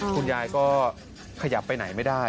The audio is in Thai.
คุณยายก็ขยับไปไหนไม่ได้